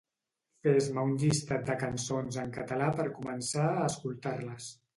Fes-me un llistat de cançons en català per començar a escoltar-les